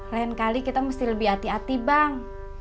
lain kali kita mesti lebih hati hati bang